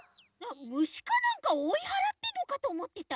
むしかなんかおいはらってんのかとおもってた。